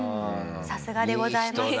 さすがでございます。